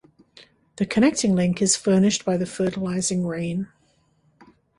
The connecting link is furnished by the fertilizing rain.